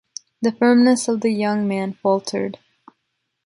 The firmness of the young man faltered.